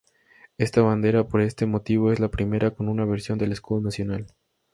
Esta bandera por ese motivo es la primera con una versión del escudo nacional.